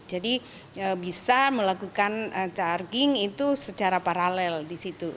jadi bisa melakukan charging itu secara paralel di situ